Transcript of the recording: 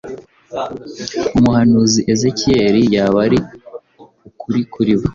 umuhanuzi Ezekiyeli yaba ari ukuri kuri bo